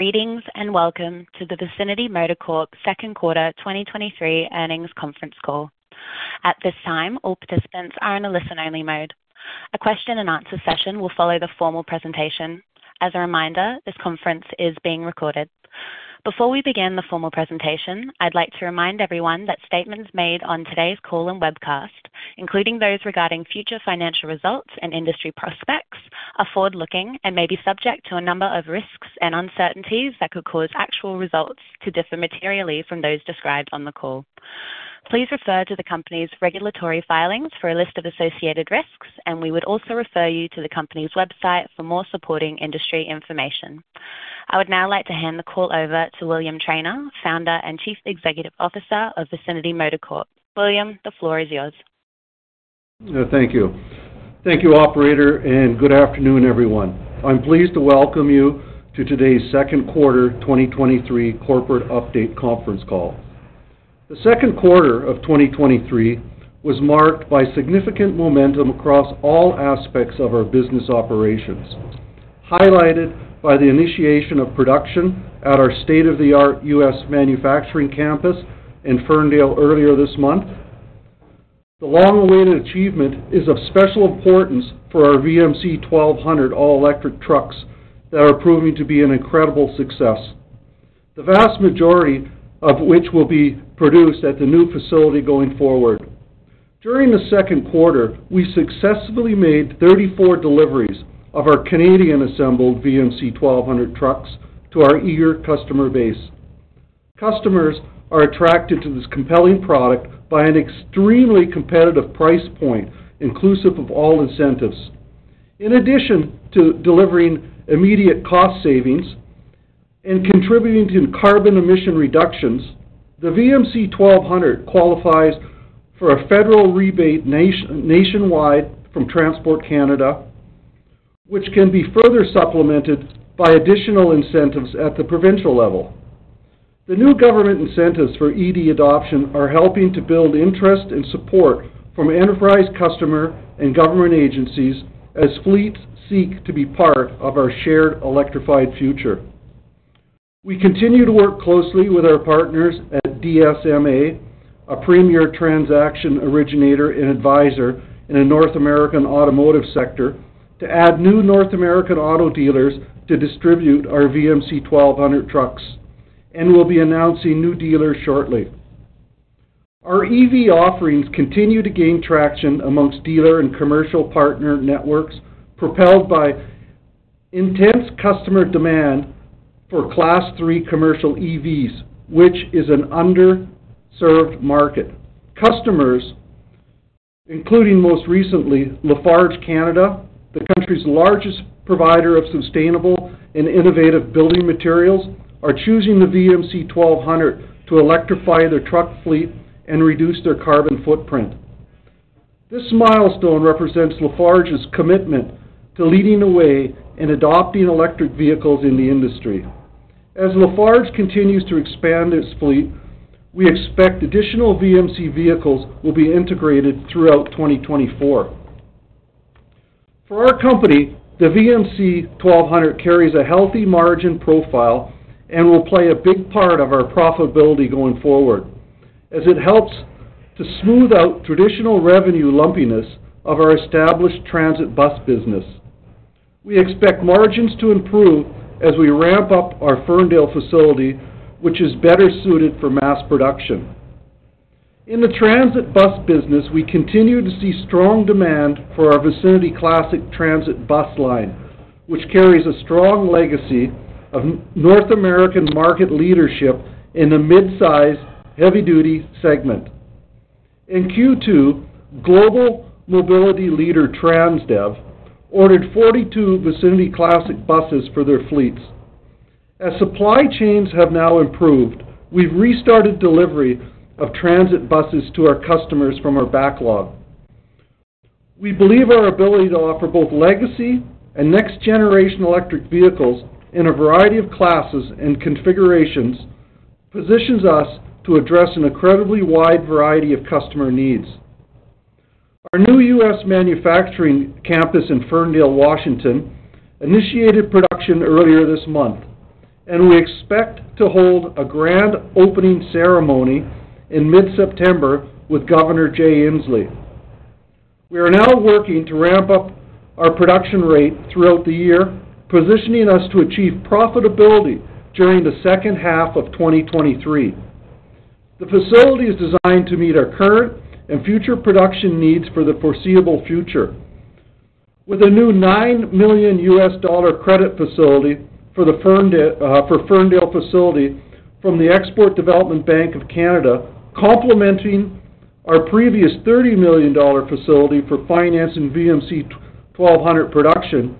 Greetings, and welcome to the Vicinity Motor Corp Q2 2023 Earnings Conference Call. At this time, all participants are in a listen-only mode. A question-and-answer session will follow the formal presentation. As a reminder, this conference is being recorded. Before we begin the formal presentation, I'd like to remind everyone that statements made on today's call and webcast, including those regarding future financial results and industry prospects, are forward-looking and may be subject to a number of risks and uncertainties that could cause actual results to differ materially from those described on the call. Please refer to the company's regulatory filings for a list of associated risks, and we would also refer you to the company's website for more supporting industry information. I would now like to hand the call over to William Trainer, Founder and Chief Executive Officer of Vicinity Motor Corp. William, the floor is yours. Thank you. Thank you, operator, and good afternoon, everyone. I'm pleased to welcome you to today's Q2 2023 Corporate Update Conference Call. The Q2 2023 was marked by significant momentum across all aspects of our business operations, highlighted by the initiation of production at our state-of-the-art U.S. manufacturing campus in Ferndale earlier this month. The long-awaited achievement is of special importance for our VMC 1200 all-electric trucks that are proving to be an incredible success, the vast majority of which will be produced at the new facility going forward. During the Q2, we successfully made 34 deliveries of our Canadian-assembled VMC 1200 trucks to our eager customer base. Customers are attracted to this compelling product by an extremely competitive price point, inclusive of all incentives. In addition to delivering immediate cost savings and contributing to carbon emission reductions, the VMC 1200 qualifies for a federal rebate nationwide from Transport Canada, which can be further supplemented by additional incentives at the provincial level. The new government incentives for EV adoption are helping to build interest and support from enterprise customer and government agencies as fleets seek to be part of our shared electrified future. We continue to work closely with our partners at DSMA, a premier transaction originator and advisor in the North American automotive sector, to add new North American auto dealers to distribute our VMC 1200 trucks, and we'll be announcing new dealers shortly. Our EV offerings continue to gain traction amongst dealer and commercial partner networks, propelled by intense customer demand for Class 3 commercial EVs, which is an underserved market. Customers, including, most recently, Lafarge Canada, the country's largest provider of sustainable and innovative building materials, are choosing the VMC 1200 to electrify their truck fleet and reduce their carbon footprint. This milestone represents Lafarge's commitment to leading the way in adopting electric vehicles in the industry. As Lafarge continues to expand its fleet, we expect additional VMC vehicles will be integrated throughout 2024. For our company, the VMC 1200 carries a healthy margin profile and will play a big part of our profitability going forward, as it helps to smooth out traditional revenue lumpiness of our established transit bus business. We expect margins to improve as we ramp up our Ferndale facility, which is better suited for mass production. In the transit bus business, we continue to see strong demand for our Vicinity Classic Transit bus line, which carries a strong legacy of North American market leadership in the mid-size, heavy-duty segment. In Q2, global mobility leader Transdev ordered 42 Vicinity Classic buses for their fleets. As supply chains have now improved, we've restarted delivery of transit buses to our customers from our backlog. We believe our ability to offer both legacy and next-generation electric vehicles in a variety of classes and configurations positions us to address an incredibly wide variety of customer needs. Our new U.S. manufacturing campus in Ferndale, Washington, initiated production earlier this month, and we expect to hold a grand opening ceremony in mid-September with Governor Jay Inslee. We are now working to ramp up our production rate throughout the year, positioning us to achieve profitability during the H2 2023. The facility is designed to meet our current and future production needs for the foreseeable future. With a new $9 million credit facility for the Ferndale, for Ferndale facility from Export Development Canada, complementing our previous $30 million facility for financing VMC 1200 production,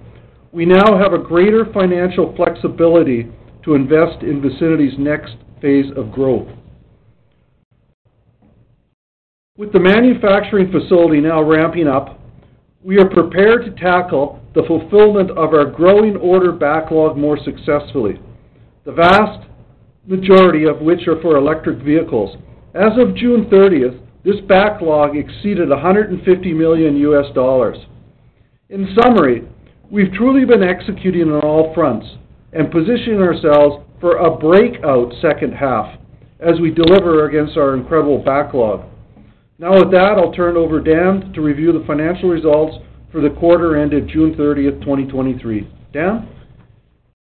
we now have a greater financial flexibility to invest in Vicinity's next phase of growth. With the manufacturing facility now ramping up, we are prepared to tackle the fulfillment of our growing order backlog more successfully, the vast majority of which are for electric vehicles. As of June 30, this backlog exceeded $150 million. In summary, we've truly been executing on all fronts and positioning ourselves for a breakout second half as we deliver against our incredible backlog. Now, with that, I'll turn it over to Dan to review the financial results for the quarter ended June 30, 2023. Dan?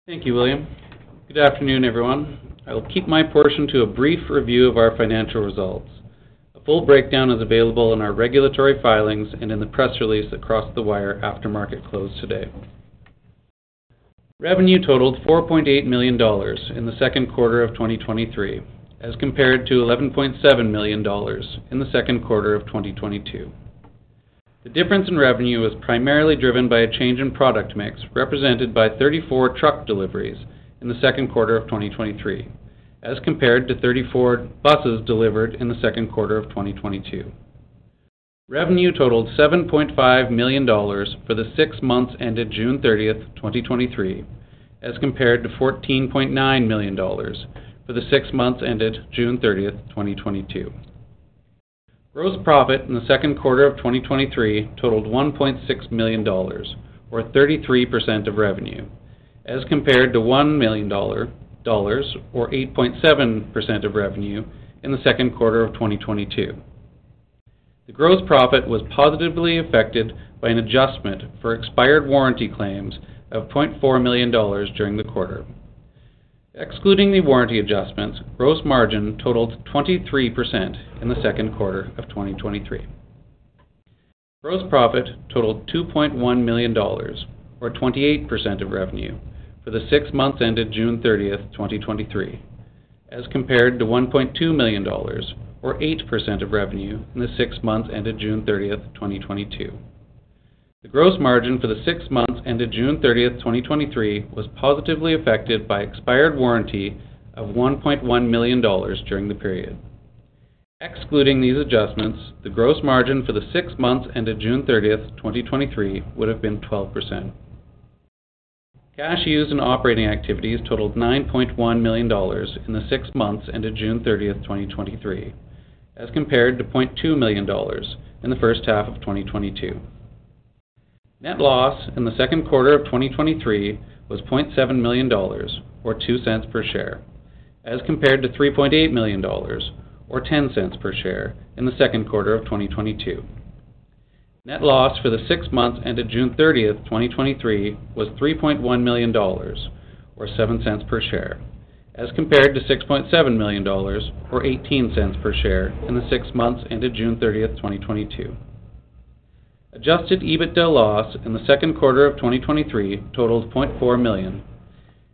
Thank you, William. Good afternoon, everyone. I will keep my portion to a brief review of our financial results. A full breakdown is available in our regulatory filings and in the press release that crossed the wire after market close today. Revenue totaled $4.8 million in the Q2 2023, as compared to $11.7 million in the Q2 2022. The difference in revenue was primarily driven by a change in product mix, represented by 34 truck deliveries in the Q2 2023, as compared to 34 buses delivered in the Q2 2022. Revenue totaled $7.5 million for the six months ended June 30, 2023, as compared to $14.9 million for the six months ended June 30, 2022. Gross profit in the Q2 2023 totaled $1.6 million, or 33% of revenue, as compared to $1 million, or 8.7% of revenue in the Q2 2022. The gross profit was positively affected by an adjustment for expired warranty claims of $0.4 million during the quarter. Excluding the warranty adjustments, gross margin totaled 23% in the Q2 2023. Gross profit totaled $2.1 million, or 28% of revenue for the six months ended June 30, 2023, as compared to $1.2 million, or 8% of revenue in the six months ended June 30, 2022. The gross margin for the six months ended June 30, 2023, was positively affected by expired warranty of $1.1 million during the period. Excluding these adjustments, the gross margin for the six months ended June 30, 2023, would have been 12%. Cash used in operating activities totaled $9.1 million in the six months ended June 30, 2023, as compared to $0.2 million in the H1 2022. Net loss in the Q2 2023 was $0.7 million, or $0.02 per share, as compared to $3.8 million, or $0.10 per share in the Q2 2022. Net loss for the six months ended June 30, 2023, was $3.1 million, or $0.07 per share, as compared to $6.7 million, or $0.18 per share in the six months ended June 30, 2022. Adjusted EBITDA loss in the Q2 2023 totaled $0.4 million,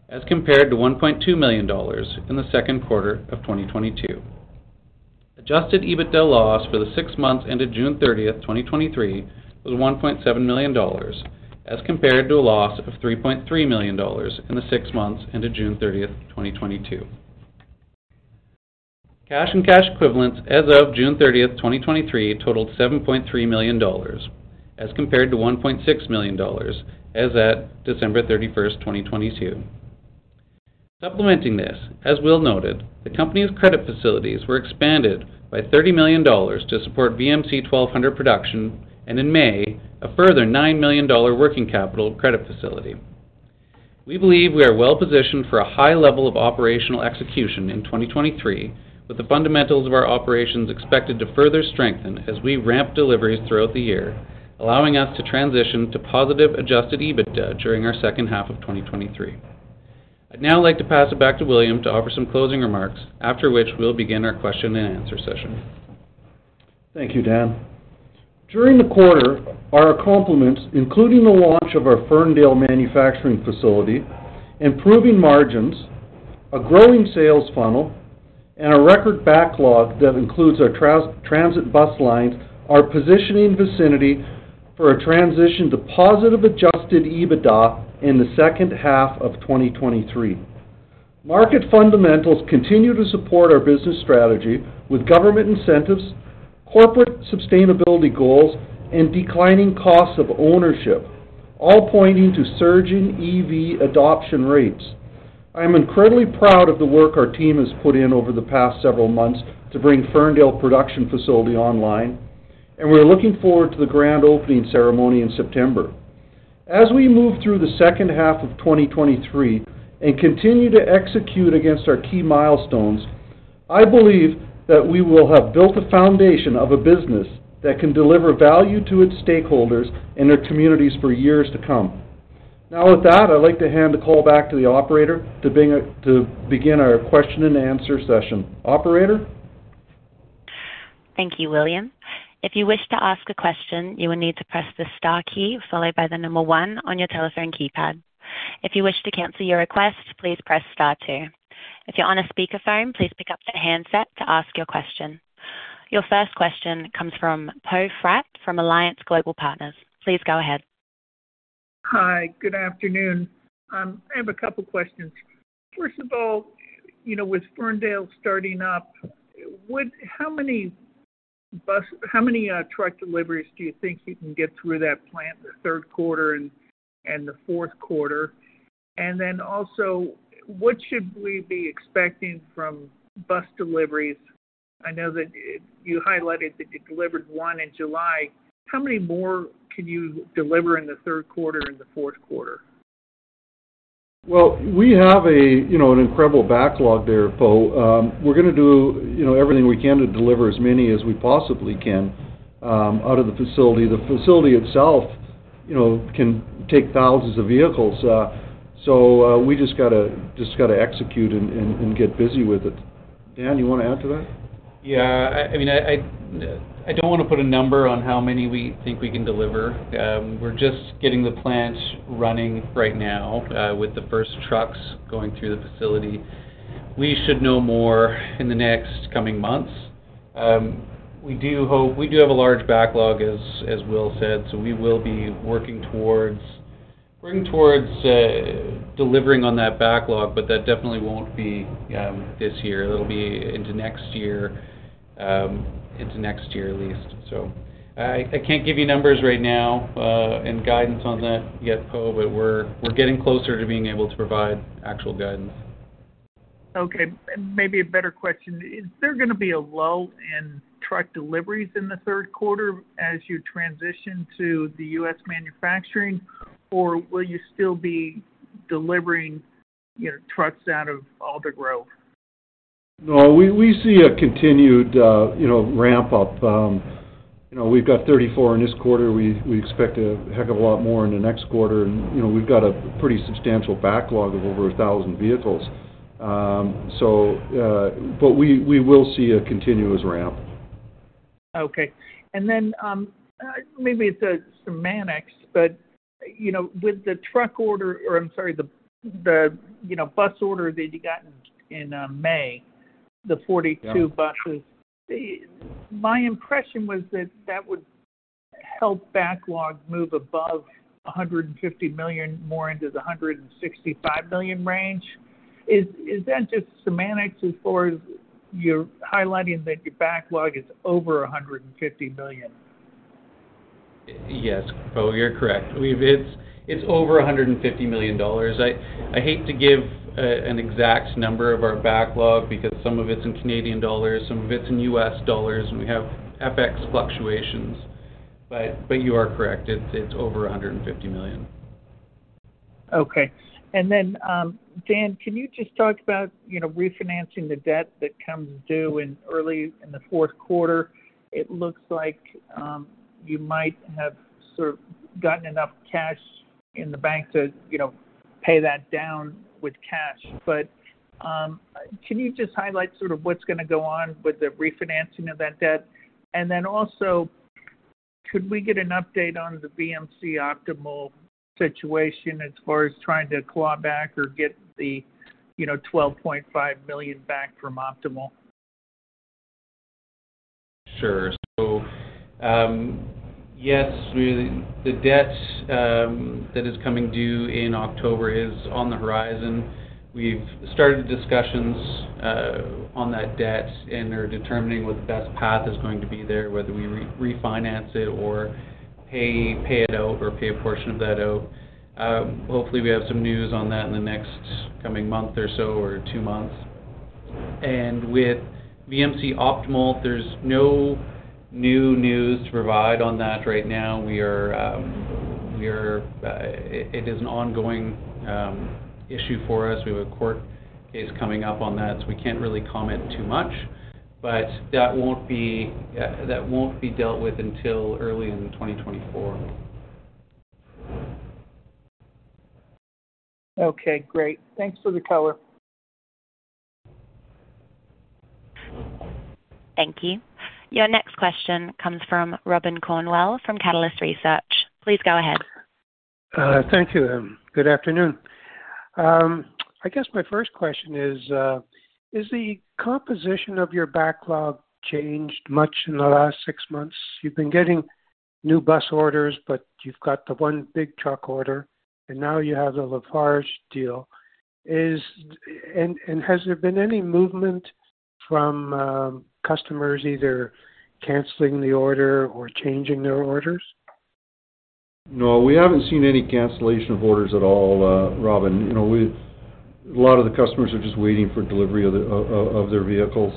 as compared to $1.2 million in the Q2 2022. Adjusted EBITDA loss for the six months ended June 30, 2023, was $1.7 million, as compared to a loss of $3.3 million in the six months ended June 30, 2022. Cash and cash equivalents as of June 30, 2023, totaled $7.3 million, as compared to $1.6 million as at December 31, 2022. Supplementing this, as Will noted, the company's credit facilities were expanded by $30 million to support VMC 1200 production, and in May, a further $9 million working capital credit facility. We believe we are well positioned for a high level of operational execution in 2023, with the fundamentals of our operations expected to further strengthen as we ramp deliveries throughout the year, allowing us to transition to positive Adjusted EBITDA during our H2 2023. I'd now like to pass it back to William to offer some closing remarks, after which we'll begin our question and answer session. Thank you, Dan. During the quarter, our accomplishments, including the launch of our Ferndale manufacturing facility, improving margins, a growing sales funnel, and a record backlog that includes our transit bus line, are positioning Vicinity for a transition to positive Adjusted EBITDA in the H2 2023. Market fundamentals continue to support our business strategy with government incentives, corporate sustainability goals, and declining costs of ownership, all pointing to surging EV adoption rates. I am incredibly proud of the work our team has put in over the past several months to bring Ferndale production facility online, and we are looking forward to the grand opening ceremony in September. As we move through the H2 2023 and continue to execute against our key milestones, I believe that we will have built a foundation of a business that can deliver value to its stakeholders and their communities for years to come. Now, with that, I'd like to hand the call back to the operator to begin our question and answer session. Operator? Thank you, William. If you wish to ask a question, you will need to press the star key followed by one on your telephone keypad. If you wish to cancel your request, please press star two. If you're on a speakerphone, please pick up the handset to ask your question. Your first question comes from Poe Fratt from Alliance Global Partners. Please go ahead. Hi, good afternoon. I have a couple questions. First of all, you know, with Ferndale starting up, how many bus, how many truck deliveries do you think you can get through that plant in the Q3 and the Q4? Then also, what should we be expecting from bus deliveries? I know that you highlighted that you delivered July 1. How many more can you deliver in the Q3 and the Q4? Well, we have a, you know, an incredible backlog there, Poe. We're going to do, you know, everything we can to deliver as many as we possibly can, out of the facility. The facility itself, you know, can take thousands of vehicles. We just got to, just got to execute and, and, and get busy with it. Dan, you want to add to that? Yeah, I, I don't want to put a number on how many we think we can deliver. We're just getting the plant running right now, with the first trucks going through the facility. We should know more in the next coming months. We do hope-- we do have a large backlog, as, as Will said, so we will be working towards, working towards, delivering on that backlog, but that definitely won't be this year. It'll be into next year, into next year at least. I, I can't give you numbers right now, and guidance on that yet, Poe, but we're, we're getting closer to being able to provide actual guidance. Okay, maybe a better question: Is there going to be a lull in truck deliveries in the Q3 as you transition to the U.S. manufacturing, or will you still be delivering, you know, trucks out of Aldergrove? No, we, we see a continued, you know, ramp up. You know, we've got 34 in this quarter. We, we expect a heck of a lot more in the next quarter and, you know, we've got a pretty substantial backlog of over 1,000 vehicles. We, we will see a continuous ramp. Okay. Maybe it's semantics, but, you know, with the truck order or, I'm sorry, the you know, bus order that you got in, in, May, the 42- Yeah... buses. My impression was that that would help backlog move above $150 million, more into the $165 million range. Is, is that just semantics as far as you're highlighting that your backlog is over $150 million? Yes, Poe, you're correct. It's, it's over $150 million. I, I hate to give an exact number of our backlog because some of it's in CAD, some of it's in USD, and we have FX fluctuations. You are correct. It's, it's over $150 million. Okay. Dan, can you just talk about, you know, refinancing the debt that comes due in early in the Q4? It looks like you might have sort of gotten enough cash in the bank to, you know, pay that down with cash. Can you just highlight sort of what's going to go on with the refinancing of that debt? Could we get an update on the VMC Optimal situation as far as trying to claw back or get the, you know, $12.5 million back from Optimal? Sure. Yes, we, the debt, that is coming due in October is on the horizon. We've started discussions on that debt, and they're determining what the best path is going to be there, whether we refinance it or pay it out or pay a portion of that out. Hopefully, we have some news on that in the next coming month or so, or two months. With VMC Optimal, there's no new news to provide on that right now. We are, we are. It is an ongoing issue for us. We have a court case coming up on that, so we can't really comment too much, but that won't be, that won't be dealt with until early in 2024. Okay, great. Thanks for the color. Thank you. Your next question comes from Robin Cornwell, from Catalyst Equity Research. Please go ahead. Thank you, and good afternoon. I guess my first question is, has the composition of your backlog changed much in the last six months? You've been getting new bus orders, but you've got the one big truck order, and now you have the Lafarge deal. Has there been any movement from customers either canceling the order or changing their orders? No, we haven't seen any cancellation of orders at all, Robin. You know, a lot of the customers are just waiting for delivery of their vehicles,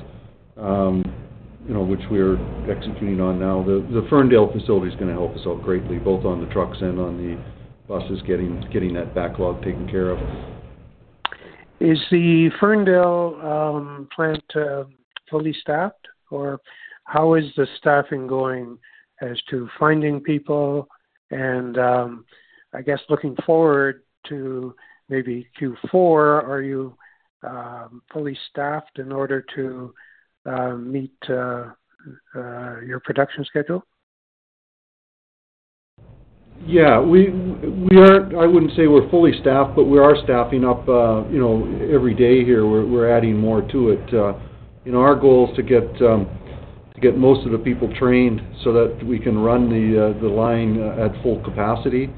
you know, which we are executing on now. The Ferndale facility is going to help us out greatly, both on the trucks and on the buses, getting that backlog taken care of. Is the Ferndale plant fully staffed, or how is the staffing going as to finding people and, I guess looking forward to maybe Q4, are you fully staffed in order to meet your production schedule? Yeah, we aren't, I wouldn't say we're fully staffed, but we are staffing up, you know, every day here. We're, adding more to it. You know, our goal is to get most of the people trained so that we can run the line at full capacity.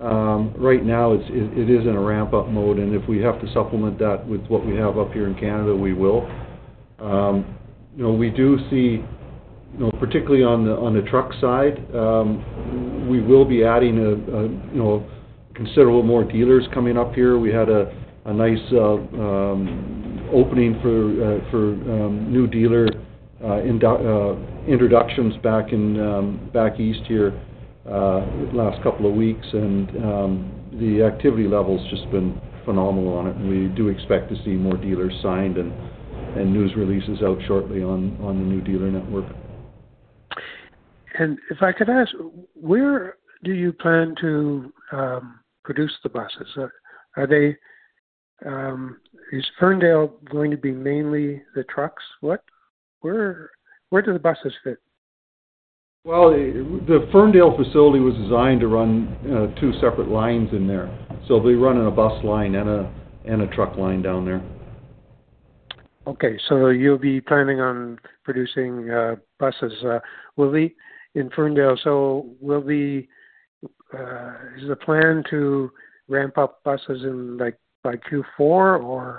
Right now, it's, it is in a ramp-up mode, and if we have to supplement that with what we have up here in Canada, we will. You know, we do see, you know, particularly on the, on the truck side, we will be adding considerable more dealers coming up here. We had a nice opening for new dealer introductions back in back east here last two weeks, and the activity level's just been phenomenal on it. We do expect to see more dealers signed and, and news releases out shortly on the new dealer network. If I could ask, where do you plan to produce the buses? Are they, is Ferndale going to be mainly the trucks? Where, where do the buses fit? Well, the Ferndale facility was designed to run, two separate lines in there, so they're running a bus line and a truck line down there. Okay, you'll be planning on producing buses, will be in Ferndale. Is the plan to ramp up buses in, like, by Q4?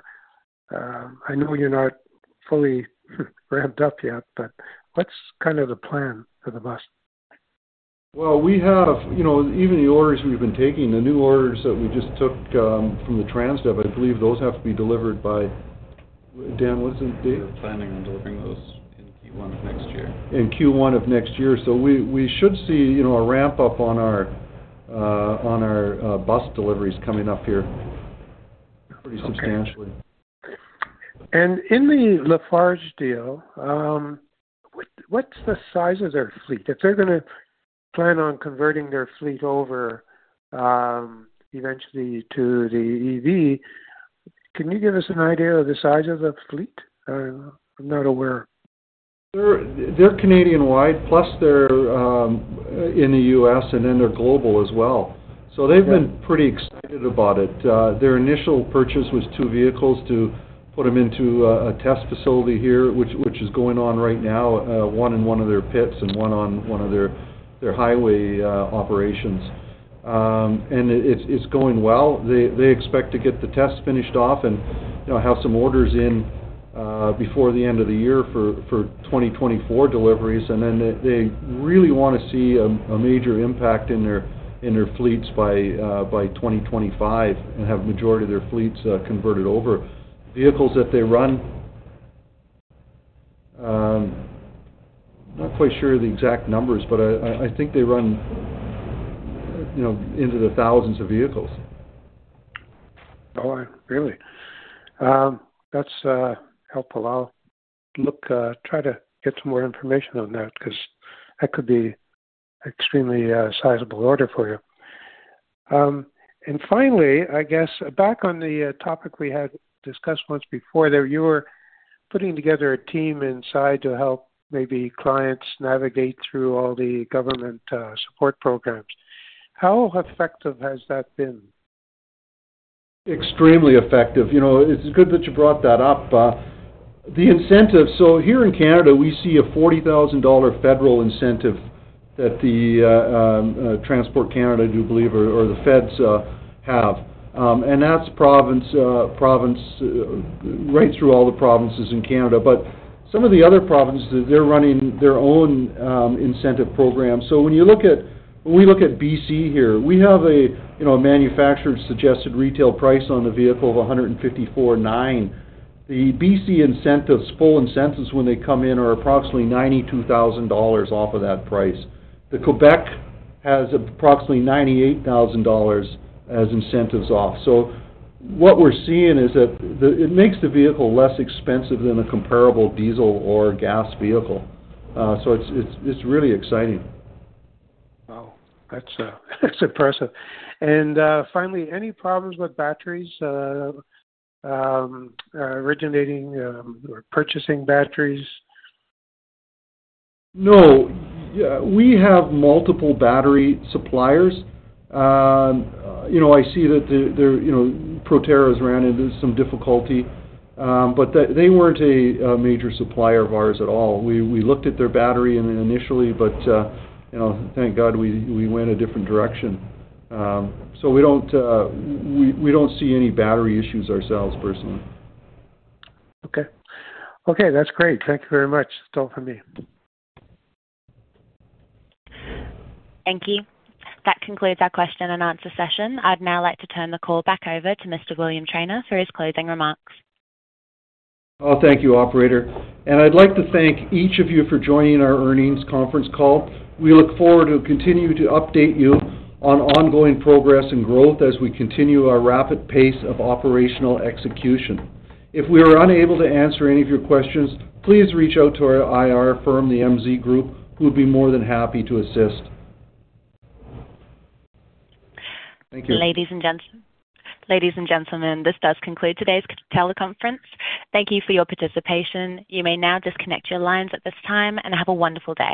I know you're not fully ramped up yet, but what's kind of the plan for the bus? Well, know, even the orders we've been taking, the new orders that we just took, from the Transdev, I believe those have to be delivered by... Dan, what's the date? We're planning on delivering those in Q1 of next year. In Q1 of next year. We, we should see, you know, a ramp-up on our on our bus deliveries coming up here pretty substantially. Okay. In the Lafarge deal, what, what's the size of their fleet? If they're gonna plan on converting their fleet over, eventually to the EV, can you give us an idea of the size of the fleet? I'm not aware. They're, they're Canadian-wide, plus they're, in the U.S., and then they're global as well. Yeah. They've been pretty excited about it. Their initial purchase was two vehicles to put them into a test facility here, which, which is going on right now, one in one of their pits and one on one of their highway, operations. It, it's going well. They, they expect to get the test finished off and, you know, have some orders in, before the end of the year for 2024 deliveries. Then they really wanna see a major impact in their fleets by, by 2025 and have majority of their fleets, converted over. Vehicles that they run, I'm not quite sure of the exact numbers, but I think they run, you know, into the thousands of vehicles. Oh, really? That's helpful. I'll look, try to get some more information on that because that could be extremely sizable order for you. Finally, I guess back on the topic we had discussed once before, there you were putting together a team inside to help maybe clients navigate through all the government support programs. How effective has that been? Extremely effective. You know, it's good that you brought that up. The incentive, here in Canada, we see a $40,000 federal incentive that the Transport Canada, I do believe, or the Feds, have. That's province, province right through all the provinces in Canada. Some of the other provinces, they're running their own incentive program. When we look at BC here, we have a, you know, a manufacturer's suggested retail price on the vehicle of $154,900. The BC incentives, full incentives, when they come in, are approximately $92,000 off of that price. Quebec has approximately $98,000 as incentives off. What we're seeing is that it makes the vehicle less expensive than a comparable diesel or gas vehicle. It's, it's, it's really exciting. Wow, that's, that's impressive. Finally, any problems with batteries, originating, or purchasing batteries? No. We have multiple battery suppliers. You know, I see that, you know, Proterra has ran into some difficulty, but they, they weren't a major supplier of ours at all. We, we looked at their battery and then initially, but, you know, thank God we, we went a different direction. We don't see any battery issues ourselves personally. Okay. Okay, that's great. Thank you very much. That's all for me. Thank you. That concludes our question and answer session. I'd now like to turn the call back over to Mr. William Trainer for his closing remarks. Oh, thank you, operator, and I'd like to thank each of you for joining our Earnings Conference Call. We look forward to continuing to update you on ongoing progress and growth as we continue our rapid pace of operational execution. If we are unable to answer any of your questions, please reach out to our IR firm, the MZ Group, who will be more than happy to assist. Thank you. Ladies and gentlemen, this does conclude today's teleconference. Thank you for your participation. You may now disconnect your lines at this time. Have a wonderful day.